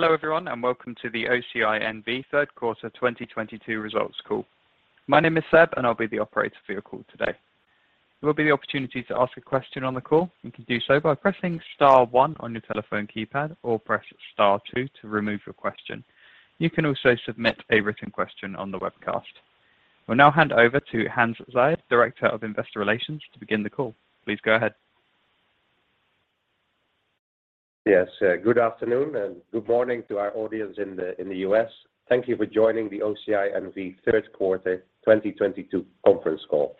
Hello everyone, and welcome to the OCI N.V. third quarter 2022 results call. My name is Seb, and I'll be the operator for your call today. There will be the opportunity to ask a question on the call. You can do so by pressing star one on your telephone keypad or press star two to remove your question. You can also submit a written question on the webcast. We'll now hand over to Hans Zayed, Director of Investor Relations, to begin the call. Please go ahead. Yes, good afternoon and good morning to our audience in the US. Thank you for joining the OCI N.V. third quarter 2022 conference call.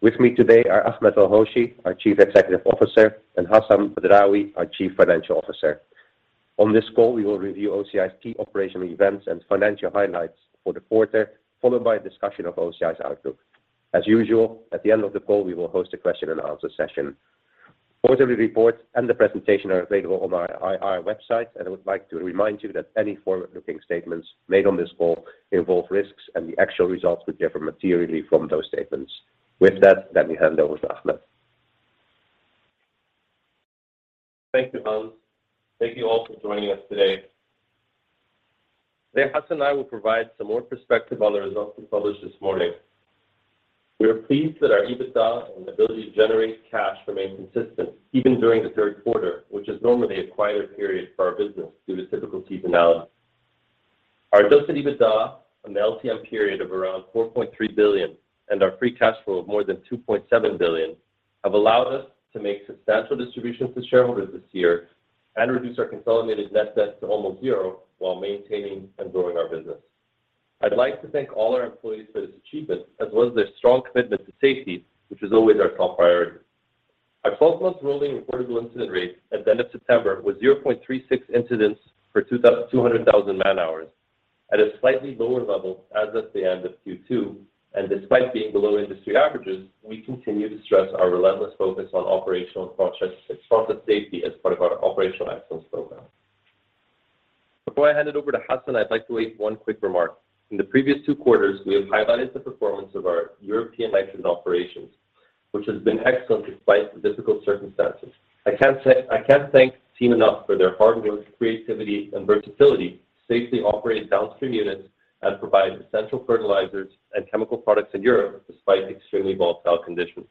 With me today are Ahmed El-Hoshy, our Chief Executive Officer, and Hassan Badrawi, our Chief Financial Officer. On this call, we will review OCI's key operational events and financial highlights for the quarter, followed by a discussion of OCI's outlook. As usual, at the end of the call, we will host a question and answer session. Quarterly reports and the presentation are available on our IR website, and I would like to remind you that any forward-looking statements made on this call involve risks, and the actual results could differ materially from those statements. With that, let me hand over to Ahmed. Thank you, Hans. Thank you all for joining us today. Today, Hassan and I will provide some more perspective on the results we published this morning. We are pleased that our EBITDA and ability to generate cash remain consistent even during the third quarter, which is normally a quieter period for our business due to cyclical seasonality. Our adjusted EBITDA on the LTM period of around $4.3 billion and our free cash flow of more than $2.7 billion have allowed us to make substantial distributions to shareholders this year and reduce our consolidated net debt to almost zero while maintaining and growing our business. I'd like to thank all our employees for this achievement as well as their strong commitment to safety, which is always our top priority. Our 12-month rolling reportable incident rate at the end of September was 0.36 incidents for 200,000 man-hours at a slightly lower level as at the end of Q2. Despite being below industry averages, we continue to stress our relentless focus on operational and process safety as part of our operational excellence program. Before I hand it over to Hassan, I'd like to make one quick remark. In the previous two quarters, we have highlighted the performance of our European nitrogen operations, which has been excellent despite the difficult circumstances. I can't thank the team enough for their hard work, creativity and versatility, safely operating downstream units and providing essential fertilizers and chemical products in Europe despite extremely volatile conditions.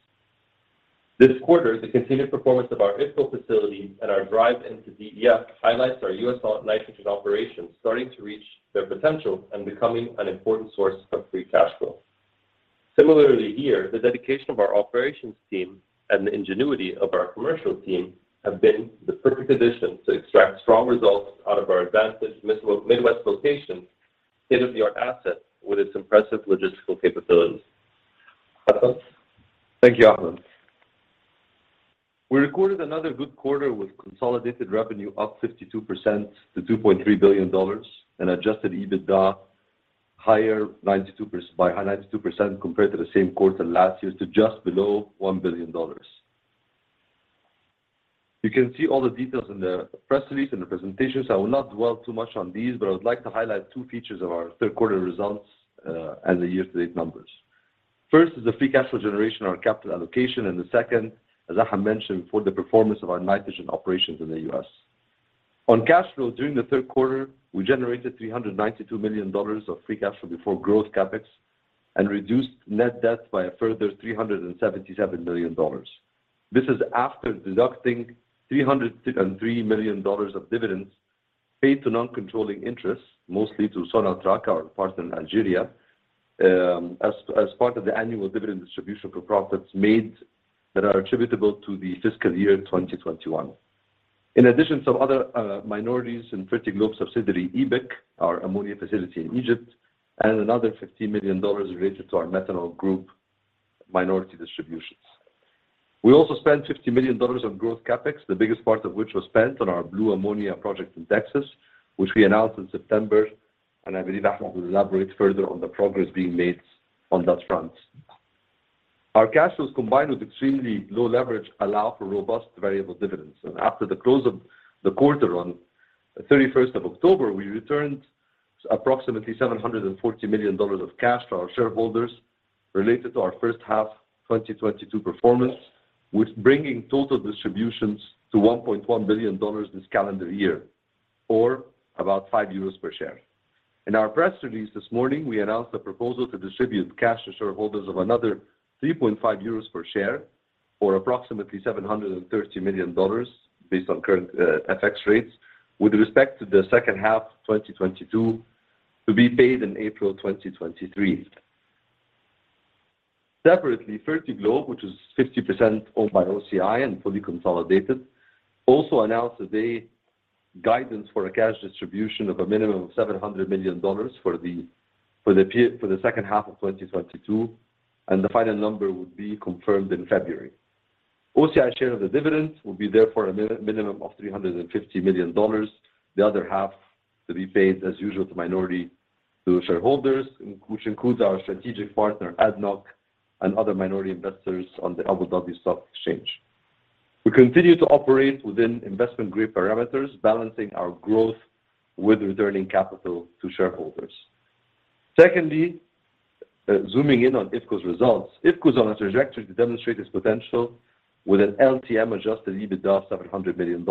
This quarter, the continued performance of our Iowa facility and our drive into DEF highlights our U.S. nitrogen operations starting to reach their potential and becoming an important source of free cash flow. Similarly here, the dedication of our operations team and the ingenuity of our commercial team have been the perfect addition to extract strong results out of our advantaged Midwest location state-of-the-art asset with its impressive logistical capabilities. Hassan? Thank you, Ahmed. We recorded another good quarter with consolidated revenue up 52% to $2.3 billion, an adjusted EBITDA up 92% compared to the same quarter last year to just below $1 billion. You can see all the details in the press release and the presentations. I will not dwell too much on these, but I would like to highlight two features of our third quarter results, and the year-to-date numbers. First is the free cash flow generation and our capital allocation, and the second, as Ahmed mentioned, is the performance of our nitrogen operations in the U.S. On cash flow during the third quarter, we generated $392 million of free cash flow before growth CapEx and reduced net debt by a further $377 million. This is after deducting $303 million of dividends paid to non-controlling interests, mostly to Sonatrach, our partner in Algeria, as part of the annual dividend distribution for profits made that are attributable to the fiscal year 2021. In addition to other minorities in Fertiglobe subsidiary EBIC, our ammonia facility in Egypt, and another $15 million related to our methanol group minority distributions. We also spent $50 million on growth CapEx, the biggest part of which was spent on our blue ammonia project in Texas, which we announced in September, and I believe Ahmed will elaborate further on the progress being made on that front. Our cash flows, combined with extremely low leverage, allow for robust variable dividends. After the close of the quarter on the 31st of October, we returned approximately $740 million of cash to our shareholders related to our first half 2022 performance, with bringing total distributions to $1.1 billion this calendar year or about 5 euros per share. In our press release this morning, we announced a proposal to distribute cash to shareholders of another 3.5 euros per share or approximately $730 million based on current, FX rates with respect to the second half 2022 to be paid in April 2023. Separately, Fertiglobe, which is 50% owned by OCI and fully consolidated, also announced today guidance for a cash distribution of a minimum of $700 million for the second half of 2022, and the final number would be confirmed in February. OCI share of the dividends will be therefore a minimum of $350 million, the other half to be paid as usual to minority shareholders, which includes our strategic partner, ADNOC, and other minority investors on the Abu Dhabi Securities Exchange. We continue to operate within investment grade parameters, balancing our growth with returning capital to shareholders. Secondly, zooming in on IFCo's results. IFCo's on a trajectory to demonstrate its potential with an LTM adjusted EBITDA of $700 million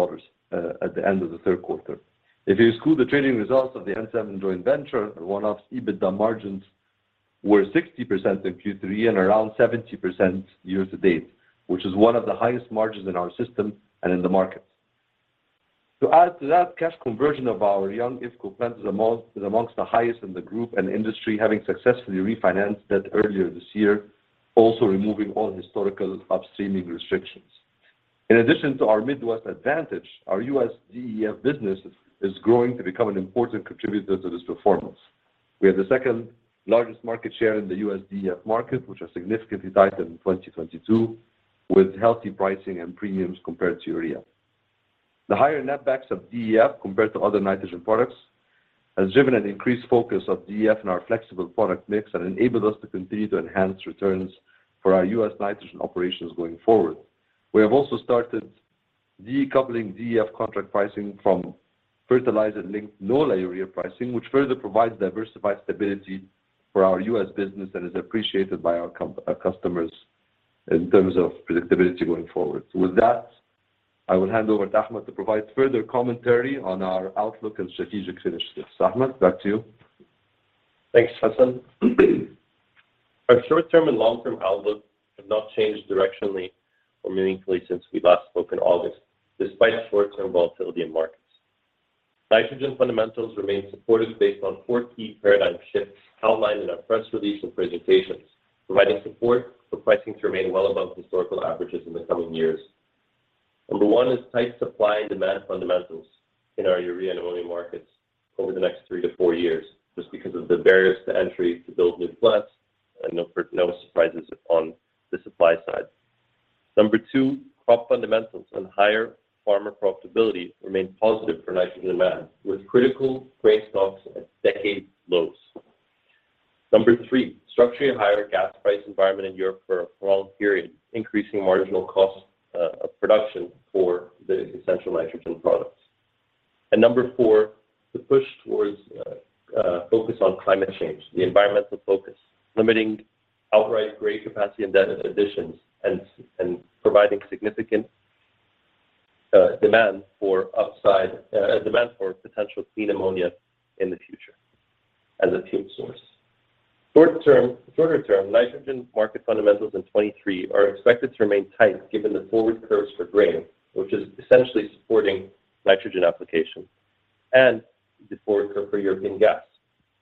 at the end of the third quarter. If you exclude the trading results of the N-7 joint venture, one-off EBITDA margins were 60% in Q3 and around 70% year-to-date, which is one of the highest margins in our system and in the market. To add to that, cash conversion of our young IFCo plants is amongst the highest in the group and industry having successfully refinanced debt earlier this year, also removing all historical upstreaming restrictions. In addition to our Midwest advantage, our U.S. DEF business is growing to become an important contributor to this performance. We have the second largest market share in the U.S. DEF market, which has significantly risen in 2022 with healthy pricing and premiums compared to urea. The higher net backs of DEF compared to other nitrogen products has driven an increased focus of DEF in our flexible product mix and enabled us to continue to enhance returns for our U.S. nitrogen operations going forward. We have also started decoupling DEF contract pricing from fertilizer-linked NOLA urea pricing, which further provides diversified stability for our U.S. business that is appreciated by our customers in terms of predictability going forward. With that, I will hand over to Ahmed to provide further commentary on our outlook and strategic initiatives. Ahmed, back to you. Thanks, Hassan. Our short-term and long-term outlook have not changed directionally or meaningfully since we last spoke in August, despite short-term volatility in markets. Nitrogen fundamentals remain supportive based on four key paradigm shifts outlined in our press release and presentations, providing support for pricing to remain well above historical averages in the coming years. Number one is tight supply and demand fundamentals in our urea and oil markets over the next three to four years, just because of the barriers to entry to build new plants and no surprises on the supply side. Number two, crop fundamentals and higher farmer profitability remain positive for nitrogen demand, with critical grain stocks at decade lows. Number three, structurally higher gas price environment in Europe for a prolonged period, increasing marginal cost of production for the essential nitrogen products. Number four, the push towards focus on climate change, the environmental focus, limiting outright gray capacity and debt additions and providing significant demand for upside, demand for potential clean ammonia in the future as a fuel source. Shorter-term, nitrogen market fundamentals in 2023 are expected to remain tight, given the forward curves for grain, which is essentially supporting nitrogen application and the forward curve for European gas,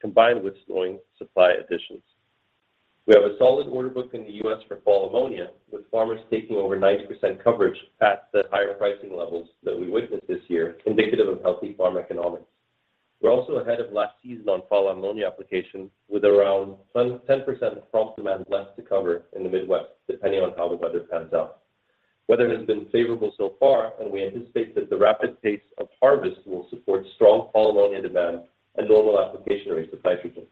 combined with slowing supply additions. We have a solid order book in the U.S. for fall ammonia, with farmers taking over 90% coverage at the higher pricing levels that we witnessed this year, indicative of healthy farm economics. We're also ahead of last season on fall ammonia applications, with around 10% of crop demand left to cover in the Midwest, depending on how the weather pans out. Weather has been favorable so far, and we anticipate that the rapid pace of harvest will support strong fall ammonia demand and normal application rates of nitrogen.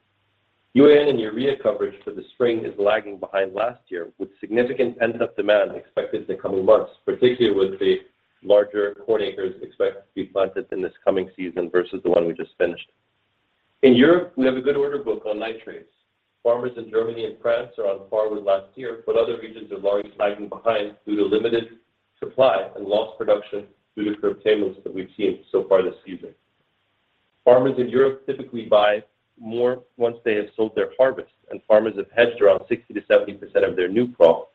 UAN and urea coverage for the spring is lagging behind last year, with significant end-user demand expected in the coming months, particularly with the larger corn acres expected to be planted in this coming season versus the one we just finished. In Europe, we have a good order book on nitrates. Farmers in Germany and France are on par with last year, but other regions are largely lagging behind due to limited supply and lost production due to curtailments that we've seen so far this season. Farmers in Europe typically buy more once they have sold their harvest, and farmers have hedged around 60%-70% of their new crop,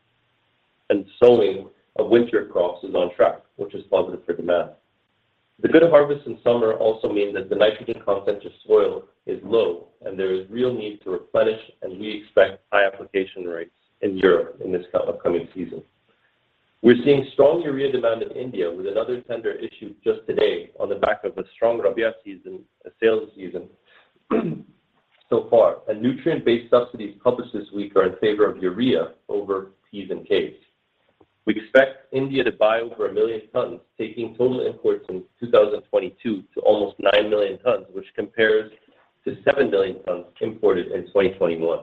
and sowing of winter crops is on track, which is positive for demand. The good harvest in summer also means that the nitrogen content of soil is low, and there is real need to replenish, and we expect high application rates in Europe in this upcoming season. We're seeing strong urea demand in India, with another tender issued just today on the back of a strong rabi season, sales season so far. Nutrient-based subsidies published this week are in favor of urea over P&K. We expect India to buy over 1 million tons, taking total imports in 2022 to almost 9 million tons, which compares to 7 million tons imported in 2021.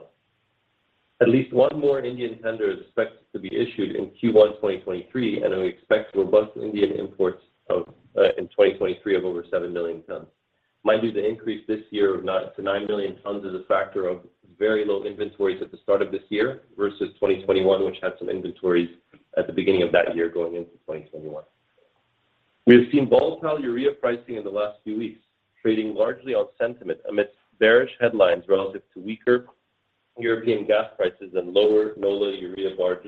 At least one more Indian tender is expected to be issued in Q1 2023, and we expect robust Indian imports of in 2023 of over 7 million tons. Mind you, the increase this year of 9 million tons is a factor of very low inventories at the start of this year versus 2021, which had some inventories at the beginning of that year going into 2021. We have seen volatile urea pricing in the last few weeks, trading largely on sentiment amidst bearish headlines relative to weaker European gas prices and lower NOLA urea barge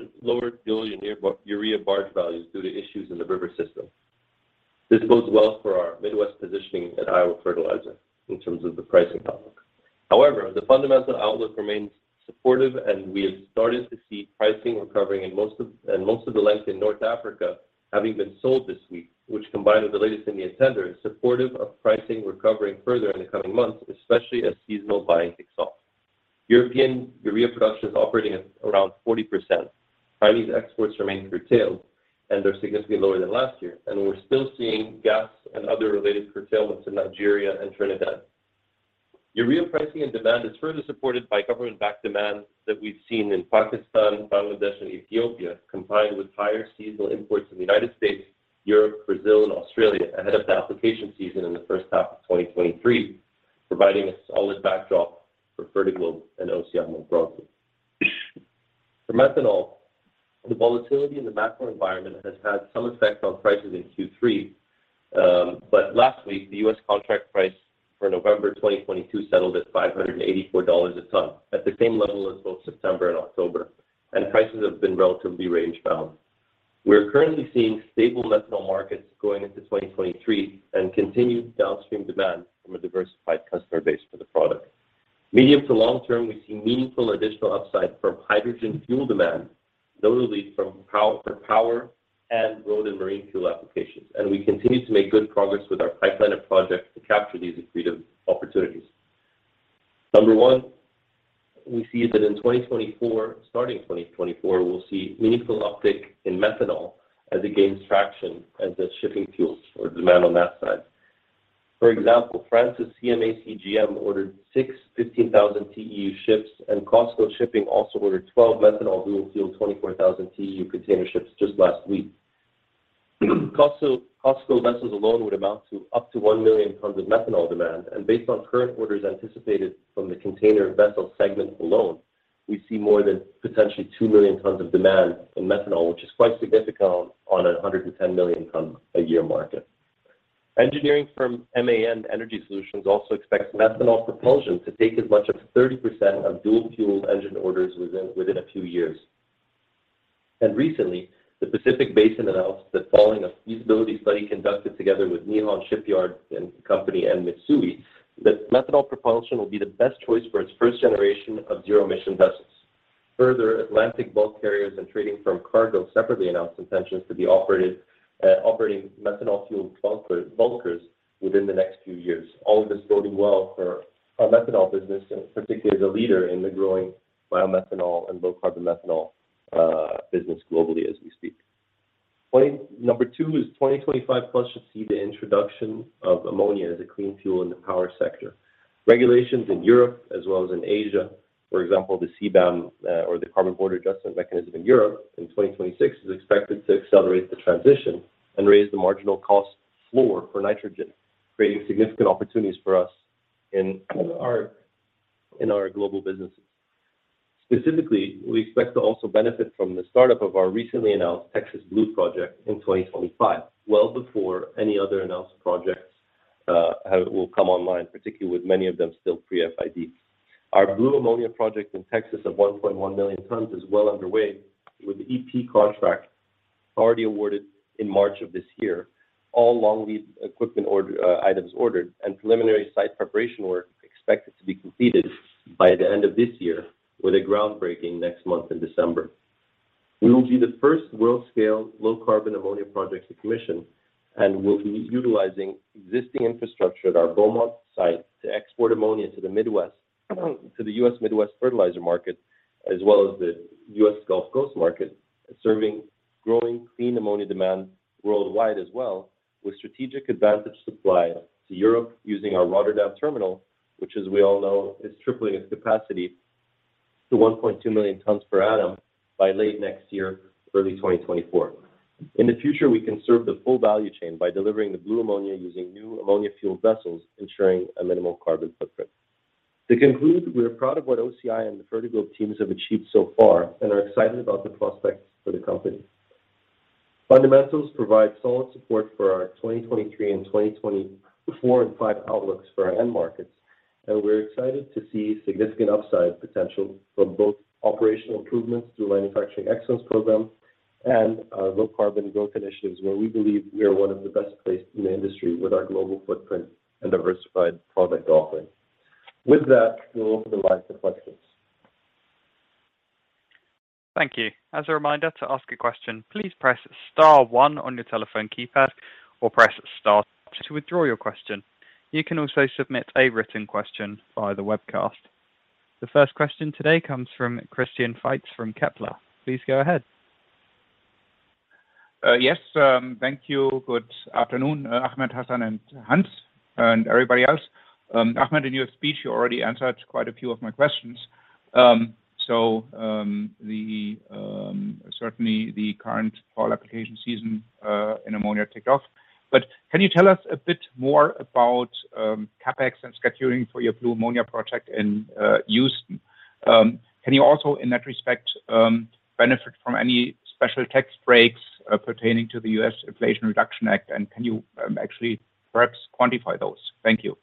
values due to issues in the river system. This bodes well for our Midwest positioning at Iowa Fertilizer in terms of the pricing outlook. However, the fundamental outlook remains supportive, and we have started to see pricing recovering in most of the month in North Africa having been sold this week, which combined with the latest Indian tender, is supportive of pricing recovering further in the coming months, especially as seasonal buying kicks off. European urea production is operating at around 40%. Chinese exports remain curtailed, and they're significantly lower than last year. We're still seeing gas and other related curtailments in Nigeria and Trinidad. Urea pricing and demand is further supported by government-backed demand that we've seen in Pakistan, Bangladesh, and Ethiopia, combined with higher seasonal imports in the United States, Europe, Brazil, and Australia ahead of the application season in the first half of 2023, providing a solid backdrop for Fertiglobe and OCI more broadly. For methanol, the volatility in the macro environment has had some effect on prices in Q3. Last week, the U.S. contract price for November 2022 settled at $584 a ton, at the same level as both September and October, and prices have been relatively range-bound. We're currently seeing stable methanol markets going into 2023 and continued downstream demand from a diversified customer base for the product. Medium to long term, we see meaningful additional upside from hydrogen fuel demand, notably from power and road and marine fuel applications, and we continue to make good progress with our pipeline of projects to capture these accretive opportunities. Number one, we see that in 2024, starting in 2024, we'll see meaningful uptick in methanol as it gains traction as a shipping fuel or demand on that side. For example, France's CMA CGM ordered six 15,000 TEU ships, and COSCO SHIPPING also ordered twelve methanol dual-fueled 24,000 TEU container ships just last week. COSCO vessels alone would amount to up to 1 million tons of methanol demand, and based on current orders anticipated from the container vessel segment alone, we see more than potentially 2 million tons of demand in methanol, which is quite significant on a 110 million ton a year market. Engineering firm MAN Energy Solutions also expects methanol propulsion to take as much as 30% of dual-fueled engine orders within a few years. Recently, the Pacific Basin announced the following. A feasibility study conducted together with Nihon Shipyard Co and Mitsui that methanol propulsion will be the best choice for its first generation of zero-emission vessels. Further, Atlantic Bulk Carriers and trading firm Cargill separately announced intentions to operate methanol-fueled bulkers within the next few years. All of this boding well for our methanol business, and particularly as a leader in the growing biomethanol and low carbon methanol business globally as we speak. Point number two is 2025 should see the introduction of ammonia as a clean fuel in the power sector. Regulations in Europe as well as in Asia, for example, the CBAM, or the Carbon Border Adjustment Mechanism in Europe in 2026, is expected to accelerate the transition and raise the marginal cost floor for nitrogen, creating significant opportunities for us in our global businesses. Specifically, we expect to also benefit from the start-up of our recently announced Texas Blue project in 2025, well before any other announced projects will come online, particularly with many of them still pre-FID. Our Blue Ammonia project in Texas of 1.1 million tons is well underway, with the EP contract already awarded in March of this year. All long lead equipment order items ordered, and preliminary site preparation work expected to be completed by the end of this year, with a groundbreaking next month in December. We will be the first world-scale low-carbon ammonia project to commission, and we'll be utilizing existing infrastructure at our Beaumont site to export ammonia to the Midwest, to the U.S. Midwest fertilizer market, as well as the U.S. Gulf Coast market, serving growing clean ammonia demand worldwide as well, with strategic advantage supply to Europe using our Rotterdam terminal, which, as we all know, is tripling its capacity to 1.2 million tons per annum by late next year, early 2024. In the future, we can serve the full value chain by delivering the blue ammonia using new ammonia-fueled vessels, ensuring a minimal carbon footprint. To conclude, we are proud of what OCI and the Fertiglobe teams have achieved so far and are excited about the prospects for the company. Fundamentals provide solid support for our 2023 and 2024 and 2025 outlooks for our end markets, and we're excited to see significant upside potential from both operational improvements through manufacturing excellence programs and our low carbon growth initiatives, where we believe we are one of the best placed in the industry with our global footprint and diversified product offering. With that, we'll open the line to questions. Thank you. As a reminder to ask a question, please press star one on your telephone keypad or press star two to withdraw your question. You can also submit a written question via the webcast. The first question today comes from Christian Faitz from Kepler. Please go ahead. Yes. Thank you. Good afternoon, Ahmed, Hassan, and Hans, and everybody else. Ahmed, in your speech, you already answered quite a few of my questions. Certainly the current fall application season in ammonia took off. Can you tell us a bit more about CapEx and scheduling for your blue ammonia project in Beaumont, Texas? Can you also, in that respect, benefit from any special tax breaks pertaining to the U.S. Inflation Reduction Act? Can you actually perhaps quantify those? Thank you.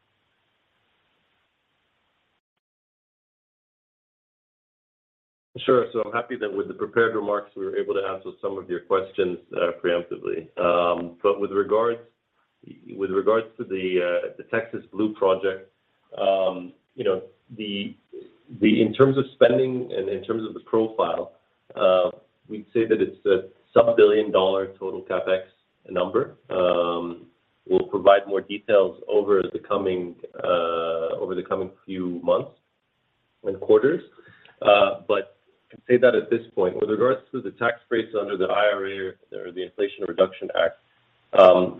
Sure. I'm happy that with the prepared remarks, we were able to answer some of your questions preemptively. With regards to the Texas Blue project, you know, the in terms of spending and in terms of the profile, we'd say that it's a sub-$1 billion total CapEx number. We'll provide more details over the coming few months and quarters. I'd say that at this point, with regards to the tax rates under the IRA or the Inflation Reduction Act,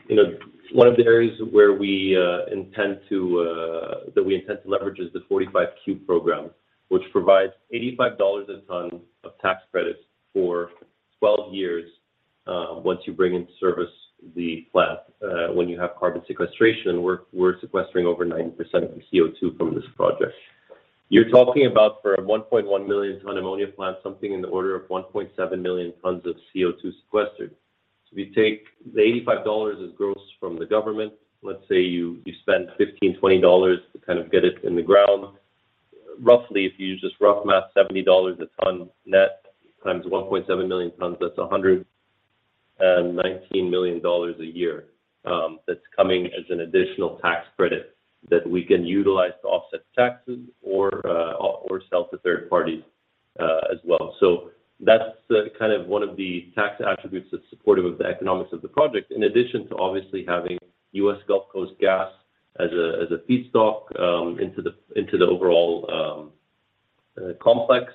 you know, one of the areas where we intend to leverage is the 45Q program, which provides $85 a ton of tax credits for 12 years, once you bring into service the plant. When you have carbon sequestration, we're sequestering over 90% of the CO2 from this project. You're talking about for a 1.1 million-ton ammonia plant, something in the order of 1.7 million tons of CO2 sequestered. If you take the $85 as gross from the government, let's say you spend $15-$20 to kind of get it in the ground. Roughly, if you use just rough math, $70 a ton net times 1.7 million tons, that's $119 million a year, that's coming as an additional tax credit that we can utilize to offset taxes or sell to third parties, as well. That's kind of one of the tax attributes that's supportive of the economics of the project, in addition to obviously having U.S. Gulf Coast gas as a feedstock into the overall complex,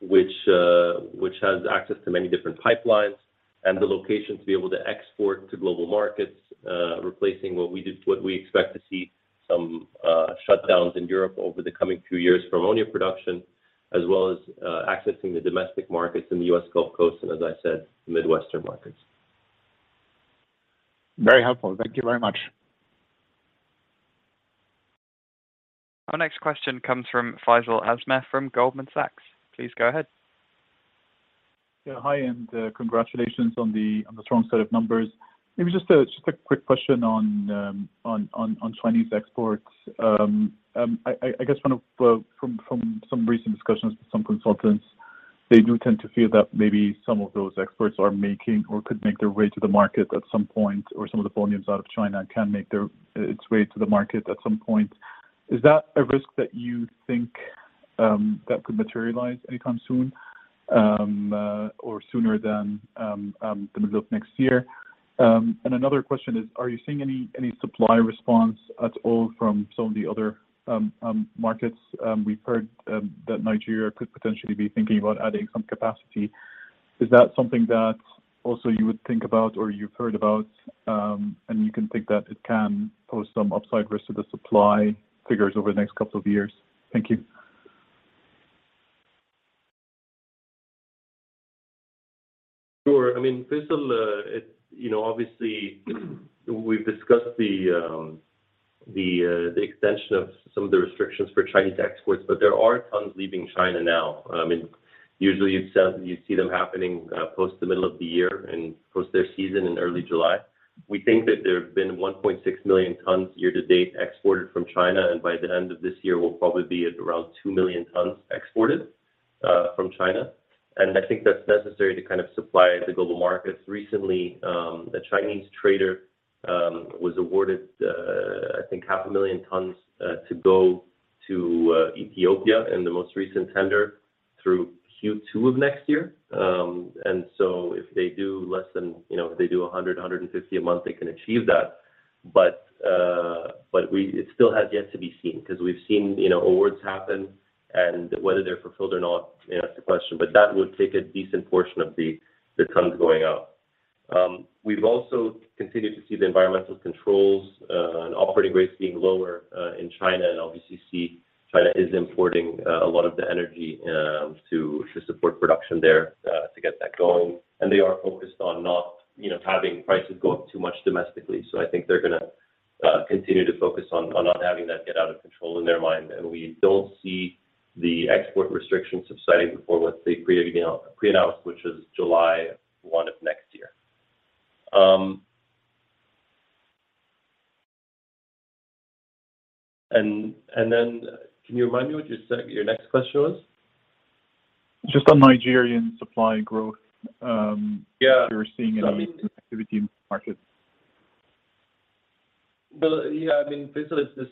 which has access to many different pipelines and the location to be able to export to global markets, replacing what we expect to see some shutdowns in Europe over the coming two years for ammonia production, as well as accessing the domestic markets in the U.S. Gulf Coast, and as I said, Midwestern markets. Very helpful. Thank you very much. Our next question comes from Faisal Al Azmeh from Goldman Sachs. Please go ahead. Yeah. Hi, and congratulations on the strong set of numbers. Maybe just a quick question on Chinese exports. I guess from some recent discussions with some consultants, they do tend to feel that maybe some of those exports are making or could make their way to the market at some point, or some of the volumes out of China can make its way to the market at some point. Is that a risk that you think that could materialize anytime soon, or sooner than the middle of next year? Another question is, are you seeing any supply response at all from some of the other markets? We've heard that Nigeria could potentially be thinking about adding some capacity. Is that something that also you would think about or you've heard about, and you can think that it can pose some upside risk to the supply figures over the next couple of years? Thank you. Sure. I mean, Faisal, you know, obviously, we've discussed the extension of some of the restrictions for Chinese exports, but there are tons leaving China now. I mean, usually you see them happening post the middle of the year and post their season in early July. We think that there have been 1.6 million tons year to date exported from China, and by the end of this year, we'll probably be at around 2 million tons exported from China. I think that's necessary to kind of supply the global markets. Recently, a Chinese trader was awarded, I think 500,000 tons, to go to Ethiopia in the most recent tender through Q2 of next year. If they do less than, you know, if they do 100, 150 a month, they can achieve that. It still has yet to be seen because we've seen, you know, awards happen, and whether they're fulfilled or not is the question. That would take a decent portion of the tons going out. We've also continued to see the environmental controls and operating rates being lower in China, and obviously see China is importing a lot of the energy to support production there to get that going. They are focused on not, you know, having prices go up too much domestically. I think they're gonna continue to focus on not having that get out of control in their mind. We don't see the export restrictions subsiding before what they preannounced, which is July one of next year. Can you remind me what your next question was? Just on Nigerian supply growth. Yeah. If you're seeing any activity in the market. Well, yeah, I mean, Faisal, it's the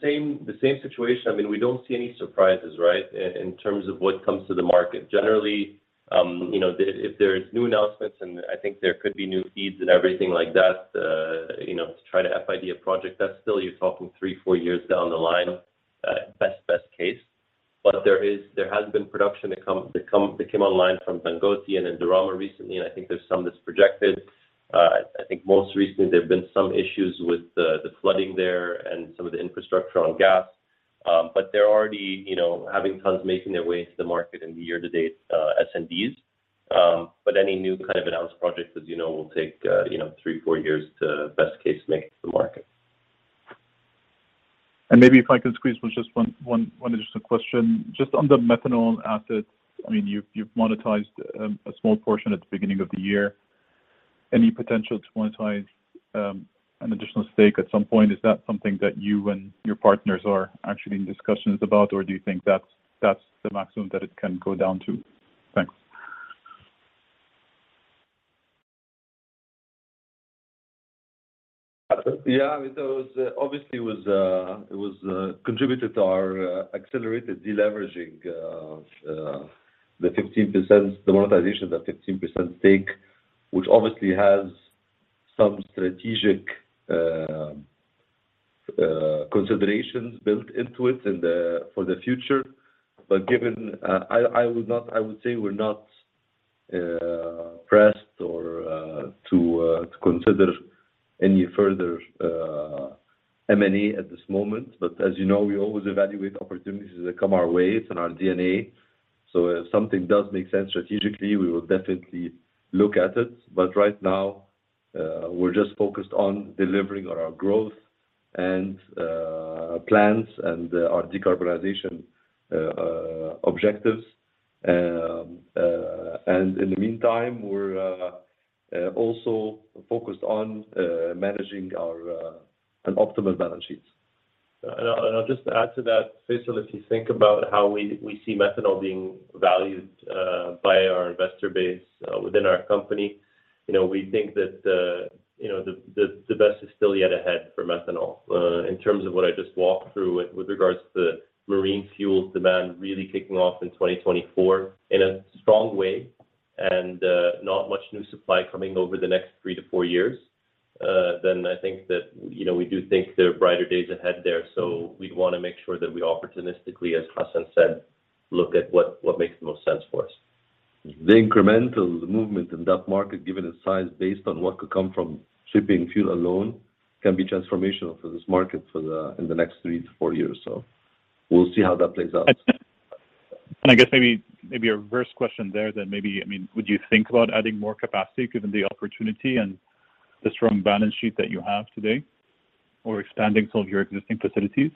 same situation. I mean, we don't see any surprises, right, in terms of what comes to the market. Generally, you know, if there's new announcements, and I think there could be new feeds and everything like that, you know, to try to FID a project, that's still you're talking three, four years down the line, best case. There has been production that came online from Dangote and Indorama recently, and I think there's some that's projected. I think most recently, there have been some issues with the flooding there and some of the infrastructure on gas. They're already, you know, having tons making their way to the market in the year-to-date, S&Ds. Any new kind of announced project, as you know, will take, you know, three, four years to, best case, make it to the market. Maybe if I could squeeze just one additional question. Just on the methanol assets, I mean, you've monetized a small portion at the beginning of the year. Any potential to monetize an additional stake at some point? Is that something that you and your partners are actually in discussions about, or do you think that's the maximum that it can go down to? Thanks. Yeah. I mean, that was, obviously, contributed to our accelerated deleveraging of the 15%, the monetization of the 15% stake, which obviously has some strategic considerations built into it for the future. Given, I would say we're not pressed or to consider any further M&A at this moment, but as you know, we always evaluate opportunities as they come our way. It's in our DNA. If something does make sense strategically, we will definitely look at it. Right now, we're just focused on delivering on our growth and plans and our decarbonization objectives. In the meantime, we're also focused on managing an optimal balance sheet. I'll just add to that. Faisal, if you think about how we see methanol being valued by our investor base within our company, you know, we think that the best is still yet ahead for methanol. In terms of what I just walked through with regards to marine fuels demand really kicking off in 2024 in a strong way, and not much new supply coming over the next three to four years, then I think that, you know, we do think there are brighter days ahead there. We wanna make sure that we opportunistically, as Hassan said, look at what makes the most sense for us. The incremental movement in that market, given its size, based on what could come from shipping fuel alone, can be transformational for this market in the next three to four years. We'll see how that plays out. I guess maybe a reverse question there then. I mean, would you think about adding more capacity given the opportunity and the strong balance sheet that you have today or expanding some of your existing facilities?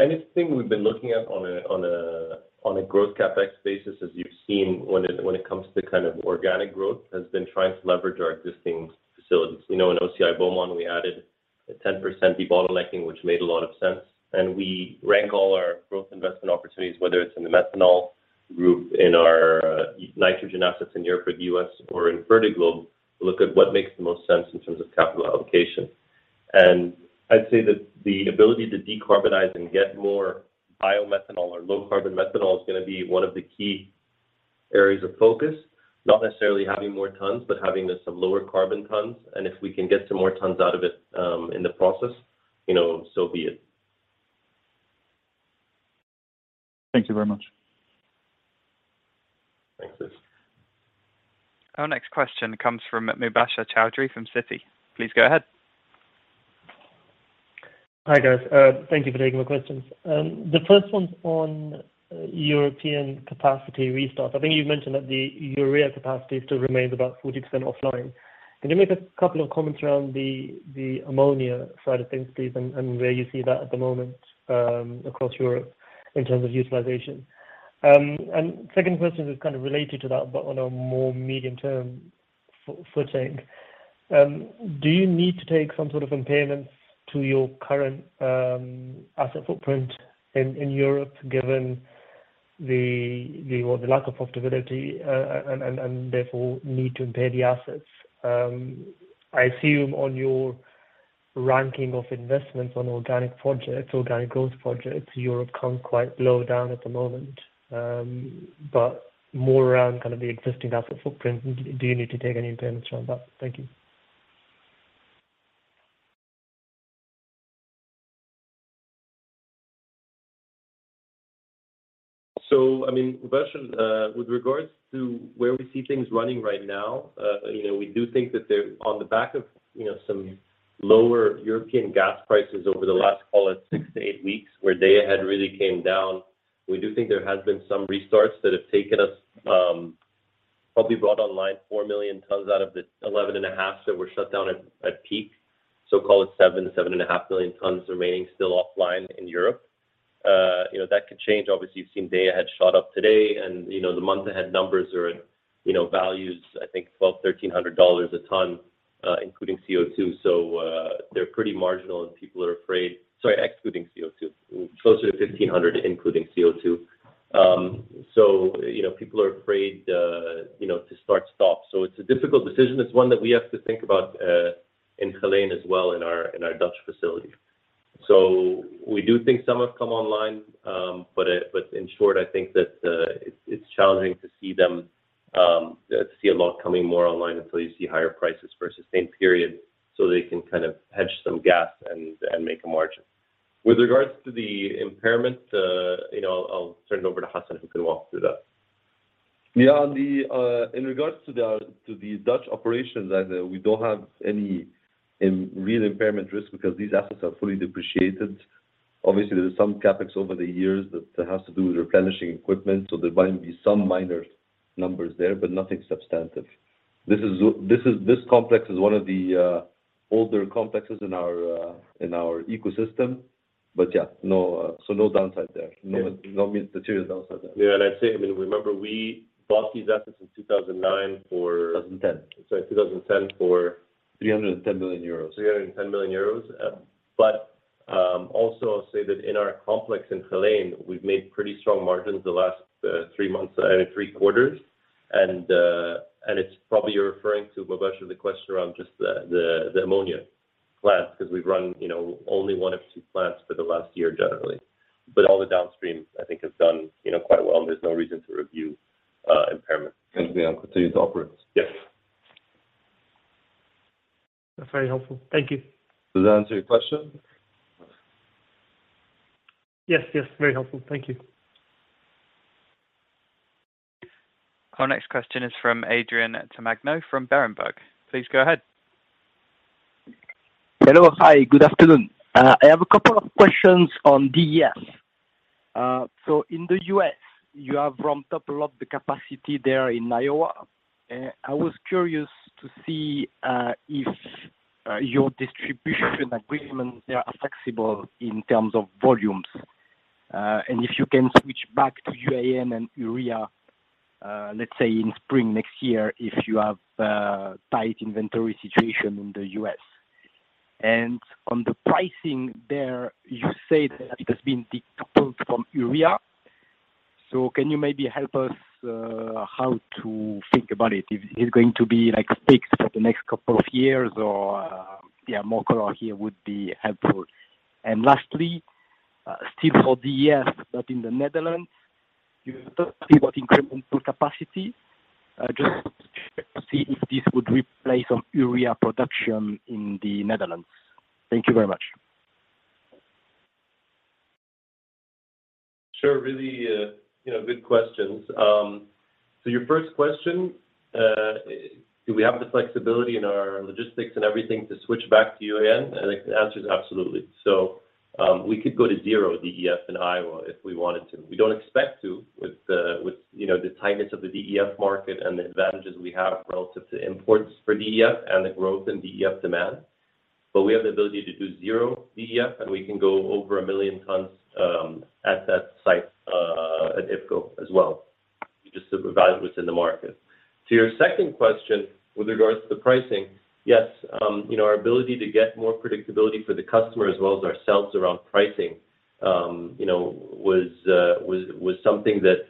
Anything we've been looking at on a growth CapEx basis, as you've seen when it comes to kind of organic growth, has been trying to leverage our existing facilities. You know, in OCI Beaumont, we added a 10% debottlenecking, which made a lot of sense. We rank all our growth investment opportunities, whether it's in the methanol group, in our nitrogen assets in Europe or the U.S., or in Fertiglobe, look at what makes the most sense in terms of capital allocation. I'd say that the ability to decarbonize and get more biomethanol or low carbon methanol is gonna be one of the key areas of focus. Not necessarily having more tons, but having some lower carbon tons. If we can get some more tons out of it, in the process, you know, so be it. Thank you very much. Thanks. Our next question comes from Mubasher Chaudhry from Citi. Please go ahead. Hi, guys. Thank you for taking my questions. The first one's on European capacity restart. I think you've mentioned that the urea capacity still remains about 40% offline. Can you make a couple of comments around the ammonia side of things, please, and where you see that at the moment across Europe in terms of utilization? Second question is kind of related to that, but on a more medium-term footing. Do you need to take some sort of impairments to your current asset footprint in Europe, given the lack of profitability and therefore need to impair the assets? I assume on your ranking of investments on organic projects, organic growth projects, Europe comes quite low down at the moment, but more around kind of the existing asset footprint. Do you need to take any impairments around that? Thank you. I mean, Mubasher, with regards to where we see things running right now, you know, we do think that there on the back of, you know, some lower European gas prices over the last, call it six to eight weeks, where day ahead really came down. We do think there has been some restarts that have taken us, probably brought online 4 million tons out of the 11.5 million that were shut down at peak. Call it 7.5 million tons remaining still offline in Europe. You know, that could change. Obviously, you've seen day ahead shot up today, and, you know, the month ahead numbers are at, you know, values I think $1,200-$1,300 a ton, including CO2. They're pretty marginal and people are afraid. Sorry, excluding CO2. Closer to $1,500 including CO2. You know, people are afraid, you know, to start, stop. It's a difficult decision. It's one that we have to think about in Geleen as well, in our Dutch facility. We do think some have come online, but in short, I think that it's challenging to see a lot coming more online until you see higher prices versus same period, so they can kind of hedge some gas and make a margin. With regards to the impairment, you know, I'll turn it over to Hassan who can walk through that. Yeah. In regards to the Dutch operations, we don't have any real impairment risk because these assets are fully depreciated. Obviously, there's some CapEx over the years that has to do with replenishing equipment. There might be some minor numbers there, but nothing substantive. This complex is one of the older complexes in our ecosystem. Yeah, no downside there. Yeah. No material downside there. Yeah. I'd say, I mean, remember we bought these assets in 2009 for- 2010. Sorry, 2010 for- 310 million euros. 310 million euros. Also, I'll say that in our complex in Geleen, we've made pretty strong margins the last three months, three quarters. It's probably you're referring to, Mubasher, the question around just the ammonia plants, 'cause we've run, you know, only one of two plants for the last year generally. But all the downstream I think have done, you know, quite well, and there's no reason to review impairment. We continue to operate. Yes. That's very helpful. Thank you. Does that answer your question? Yes. Yes, very helpful. Thank you. Our next question is from Adrien Tamagno from Berenberg. Please go ahead. Hello. Hi, good afternoon. I have a couple of questions on DEF. In the U.S., you have ramped up a lot of the capacity there in Iowa. I was curious to see if your distribution agreement there are flexible in terms of volumes, and if you can switch back to UAN and urea, let's say in spring next year, if you have tight inventory situation in the U.S. On the pricing there, you said it has been decoupled from urea. Can you maybe help us how to think about it? If it's going to be like fixed for the next couple of years or, yeah, more color here would be helpful. Lastly, still for DEF, but in the Netherlands, you talked about incremental capacity. Just to see if this would replace some Urea production in the Netherlands. Thank you very much. Sure. Really, you know, good questions. Your first question, do we have the flexibility in our logistics and everything to switch back to UAN? The answer is absolutely. We could go to zero DEF in Iowa if we wanted to. We don't expect to, with the you know, the tightness of the DEF market and the advantages we have relative to imports for DEF and the growth in DEF demand. We have the ability to do zero DEF, and we can go over 1 million tons at that site at IFCo as well, just to evaluate what's in the market. To your second question with regards to the pricing, yes, you know, our ability to get more predictability for the customer as well as ourselves around pricing, you know, was something that,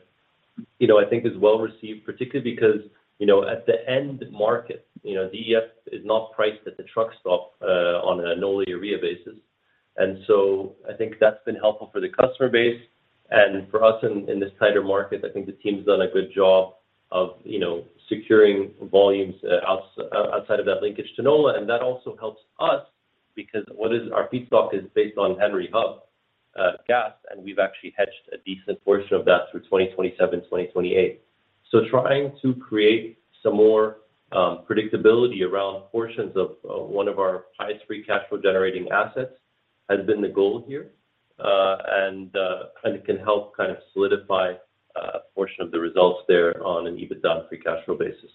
you know, I think is well received, particularly because, you know, at the end market, you know, DEF is not priced at the truck stop on an NOLA urea basis. I think that's been helpful for the customer base and for us in this tighter market. I think the team's done a good job of, you know, securing volumes outside of that linkage to NOLA. That also helps us because what is our feedstock is based on Henry Hub gas, and we've actually hedged a decent portion of that through 2027, 2028. Trying to create some more predictability around portions of one of our highest free cash flow generating assets has been the goal here. It can help kind of solidify a portion of the results there on an EBITDA free cash flow basis.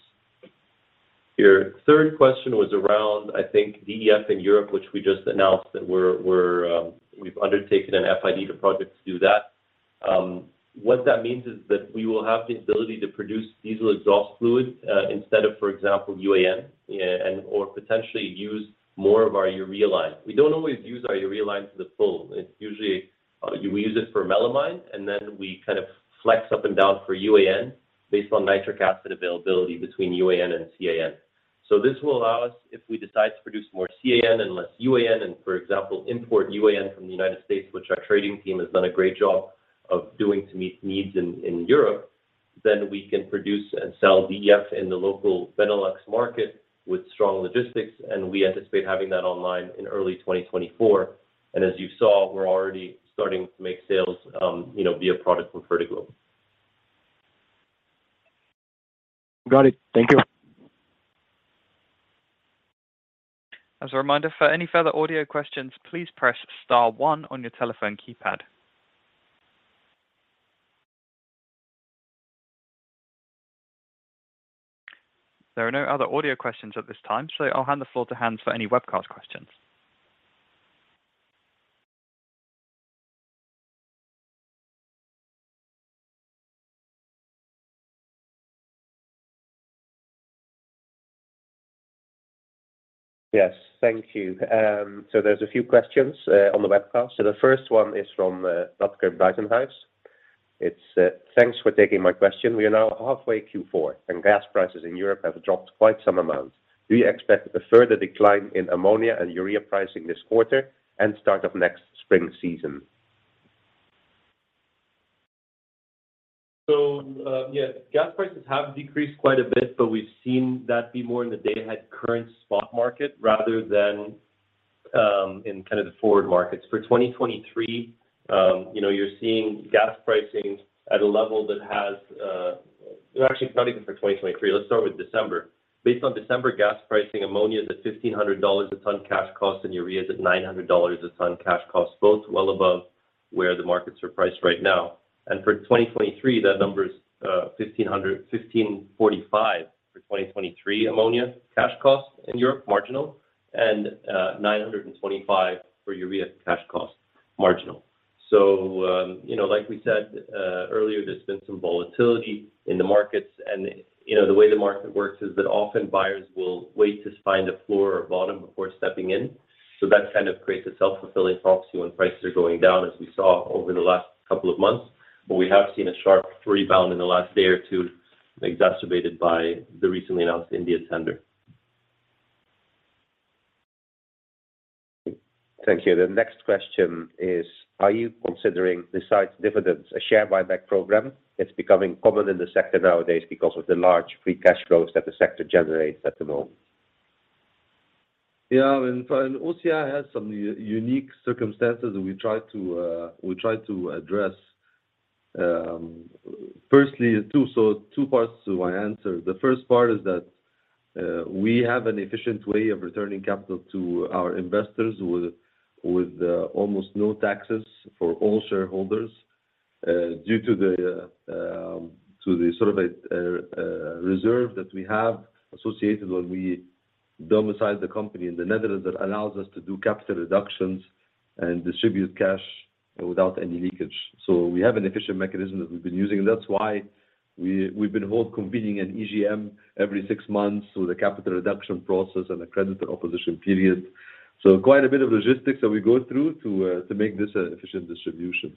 Your third question was around, I think, DEF in Europe, which we just announced that we've undertaken an FID project to do that. What that means is that we will have the ability to produce diesel exhaust fluid, instead of, for example, UAN, and/or potentially use more of our urea lines. We don't always use our urea lines to the full. It's usually we use it for melamine, and then we kind of flex up and down for UAN based on nitric acid availability between UAN and CAN. This will allow us, if we decide to produce more CAN and less UAN and, for example, import UAN from the United States, which our trading team has done a great job of doing to meet needs in Europe, then we can produce and sell DEF in the local Benelux market with strong logistics, and we anticipate having that online in early 2024. As you saw, we're already starting to make sales, you know, via product from Fertiglobe. Got it. Thank you. As a reminder, for any further audio questions, please press star one on your telephone keypad. There are no other audio questions at this time, so I'll hand the floor to Hans for any webcast questions. Yes, thank you. There's a few questions on the webcast. The first one is from [Rutger Backenhouse]. It's, "Thanks for taking my question. We are now halfway Q4, and gas prices in Europe have dropped quite some amount. Do you expect a further decline in ammonia and urea pricing this quarter and start of next spring season?" Gas prices have decreased quite a bit, but we've seen that to be more in the day-ahead current spot market rather than in kind of the forward markets. Actually, not even for 2023. Let's start with December. Based on December gas pricing, ammonia is at $1,500 a ton cash cost, and urea is at $900 a ton cash cost, both well above where the markets are priced right now. For 2023, that number is $1,545 for 2023 ammonia cash cost in European marginal and $925 for urea cash cost marginal. You know, like we said earlier, there's been some volatility in the markets, and, you know, the way the market works is that often buyers will wait to find a floor or bottom before stepping in. That kind of creates a self-fulfilling prophecy when prices are going down, as we saw over the last couple of months. We have seen a sharp rebound in the last day or two, exacerbated by the recently announced India tender. Thank you. The next question is, are you considering, besides dividends, a share buyback program? It's becoming common in the sector nowadays because of the large free cash flows that the sector generates at the moment. Yeah, OCI has some unique circumstances that we try to address. Two parts to my answer. The first part is that we have an efficient way of returning capital to our investors with almost no taxes for all shareholders due to the sort of a reserve that we have associated when we domicile the company in the Netherlands that allows us to do capital reductions and distribute cash without any leakage. We have an efficient mechanism that we've been using, and that's why we've been convening an EGM every six months through the capital reduction process and the creditor opposition period. Quite a bit of logistics that we go through to make this an efficient distribution.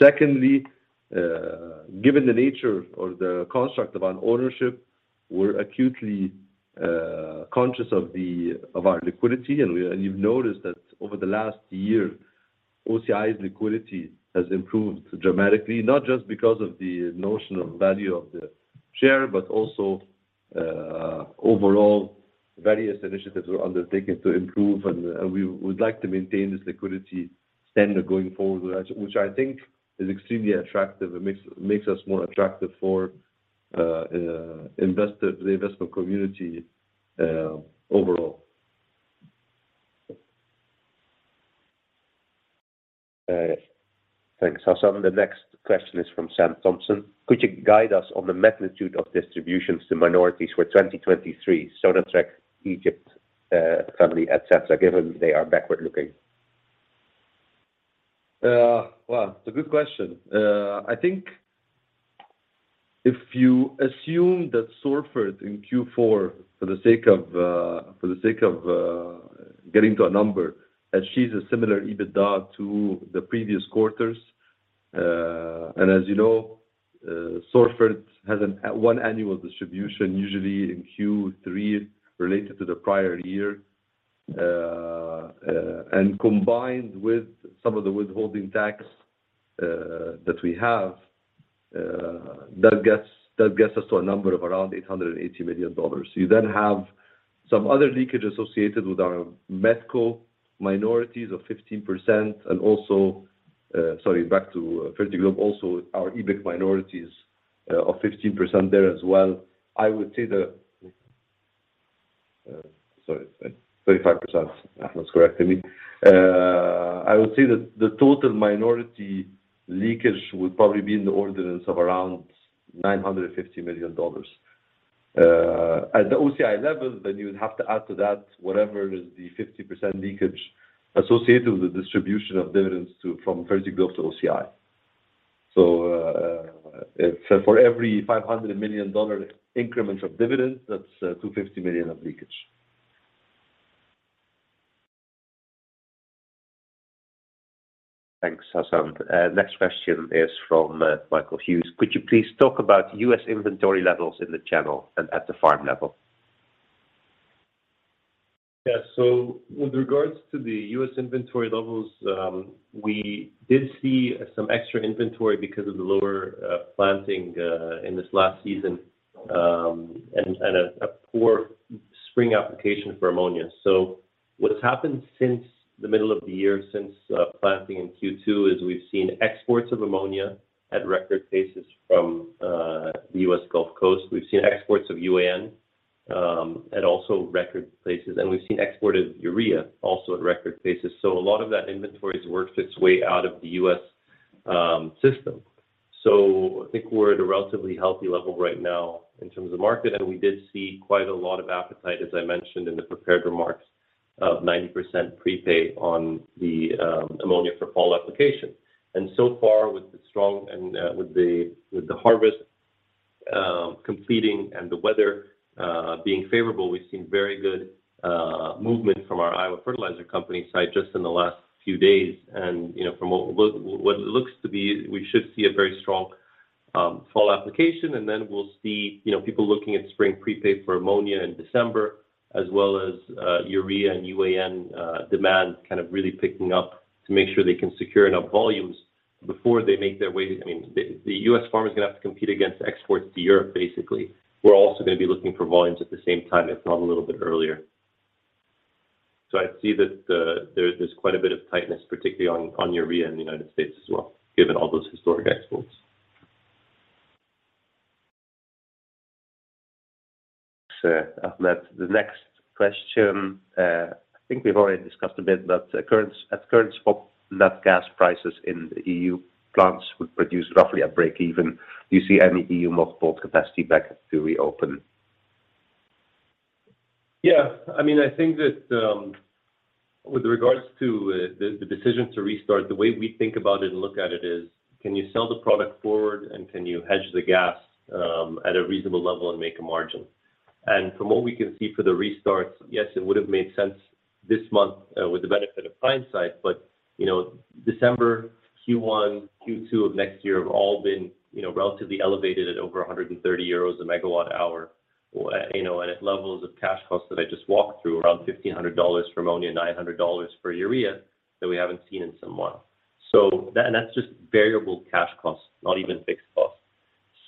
Secondly, given the nature or the construct of an ownership, we're acutely conscious of our liquidity. You've noticed that over the last year, OCI's liquidity has improved dramatically, not just because of the notional value of the share, but also overall, various initiatives were undertaken to improve. We would like to maintain this liquidity standard going forward, which I think is extremely attractive. It makes us more attractive for the investment community overall. Thanks, Hassan. The next question is from Sam Thompson. Could you guide us on the magnitude of distributions to minorities for 2023, Sonatrach, Egypt, family, et cetera, given they are backward-looking? Well, it's a good question. I think if you assume that Sorfert in Q4, for the sake of getting to a number, achieves a similar EBITDA to the previous quarters. As you know, Sorfert has a one annual distribution, usually in Q3, related to the prior year. Combined with some of the withholding tax that we have, that gets us to a number of around $880 million. You then have some other leakage associated with our MetCo minorities of 15%, and also, sorry, back to Fertiglobe, also our EBIC minorities of 15% there as well. I would say 35%. That's correct. I mean, I would say that the total minority leakage would probably be in the order of around $950 million. At the OCI level, then you would have to add to that whatever is the 50% leakage associated with the distribution of dividends from Fertiglobe to OCI. If for every $500 million increments of dividends, that's $250 million of leakage. Thanks, Hassan. Next question is from Michael Hughes. Could you please talk about U.S. inventory levels in the channel and at the farm level? Yeah. With regards to the U.S. inventory levels, we did see some extra inventory because of the lower planting in this last season, and a poor spring application for ammonia. What has happened since the middle of the year, since planting in Q2, is we've seen exports of ammonia at record paces from the U.S. Gulf Coast. We've seen exports of UAN at also record paces, and we've seen exports of urea also at record paces. A lot of that inventory has worked its way out of the U.S. system. I think we're at a relatively healthy level right now in terms of market. We did see quite a lot of appetite, as I mentioned in the prepared remarks, of 90% prepay on the ammonia for fall application. So far, with the harvest completing and the weather being favorable, we've seen very good movement from our Iowa Fertilizer Company site just in the last few days. You know, from what it looks to be, we should see a very strong fall application, and then we'll see, you know, people looking at spring prepay for ammonia in December, as well as urea and UAN demand kind of really picking up to make sure they can secure enough volumes before they make their way. I mean, the U.S. farmer is gonna have to compete against exports to Europe basically, who are also gonna be looking for volumes at the same time, if not a little bit earlier. I see that, there's quite a bit of tightness, particularly on urea in the United States as well, given all those historic exports. Sir, Ahmed, the next question, I think we've already discussed a bit, but at current spot, nat gas prices in the E.U. plants would produce roughly a break even. Do you see any E.U. methanol capacity back to reopen? Yeah. I mean, I think that with regards to the decision to restart, the way we think about it and look at it is, can you sell the product forward, and can you hedge the gas at a reasonable level and make a margin? From what we can see for the restarts, yes, it would have made sense this month with the benefit of hindsight, but you know, December Q1, Q2 of next year have all been you know relatively elevated at over 130 euros a MWh, you know, and at levels of cash costs that I just walked through, around $1,500 for ammonia, $900 for urea that we haven't seen in some while. That's just variable cash costs, not even fixed costs.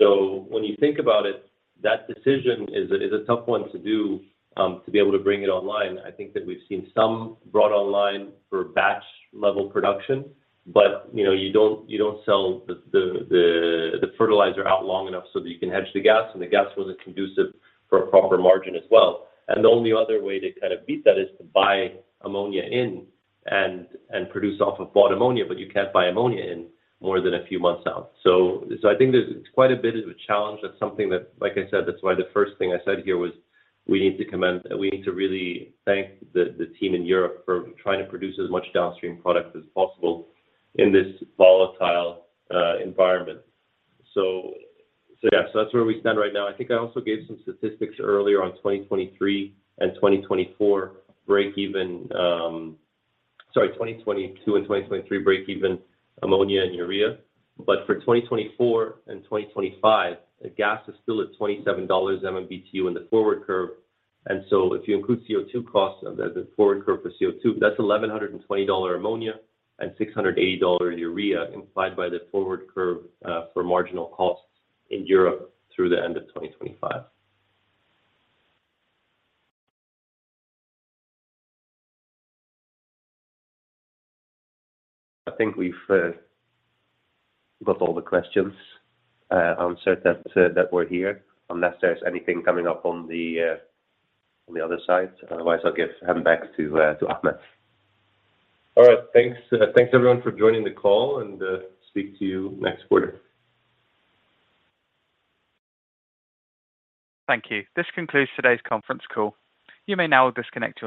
When you think about it, that decision is a tough one to do to be able to bring it online. I think that we've seen some brought online for batch level production, but you know, you don't sell the fertilizer out long enough so that you can hedge the gas, and the gas wasn't conducive for a proper margin as well. The only other way to kind of beat that is to buy ammonia in and produce off of bought ammonia, but you can't buy ammonia in more than a few months out. I think there's quite a bit of a challenge. That's something that. Like I said, that's why the first thing I said here was we need to really thank the team in Europe for trying to produce as much downstream product as possible in this volatile environment. Yeah. That's where we stand right now. I think I also gave some statistics earlier on 2022 and 2023 break even ammonia and urea. But for 2024 and 2025, the gas is still at $27/MMBtu in the forward curve. If you include CO2 costs, the forward curve for CO2, that's $1,120 ammonia and $680 urea implied by the forward curve for marginal costs in Europe through the end of 2025. I think we've got all the questions answered that were here, unless there's anything coming up on the other side. Otherwise, I'll give him back to Ahmed. All right. Thanks everyone for joining the call, and speak to you next quarter. Thank you. This concludes today's conference call. You may now disconnect your line.